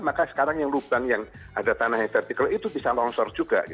maka sekarang yang lubang yang ada tanah yang vertikal itu bisa longsor juga